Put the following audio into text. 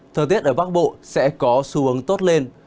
thời tiết ở bắc bộ sẽ có xu hướng tốt lên